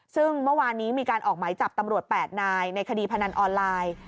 ซึ่งเมื่อวานนี้มีการออกหมายจับตำรวจ๘นายในคดีพนันออนไลน์